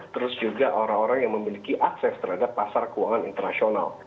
terus juga orang orang yang memiliki akses terhadap pasar keuangan internasional